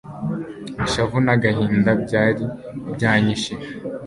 ishavu n'agahinda byari byanyishe